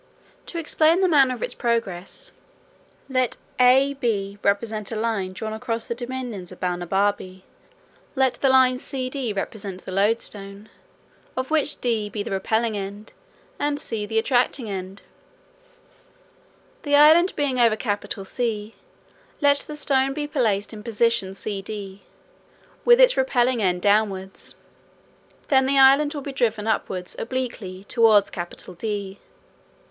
To explain the manner of its progress, let A B represent a line drawn across the dominions of Balnibarbi, let the line c d represent the loadstone, of which let d be the repelling end, and c the attracting end, the island being over C; let the stone be placed in the position c d, with its repelling end downwards; then the island will be driven upwards obliquely towards D.